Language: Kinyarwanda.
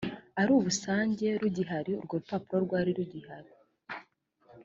ari busange rugihari urwo rupapuro rwari rugihari